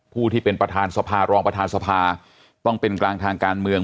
ที่เป็นประธานสภารองประธานสภาต้องเป็นกลางทางการเมือง